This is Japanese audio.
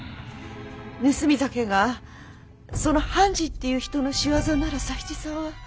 盗み酒がその半次っていう人の仕業なら佐七さんは？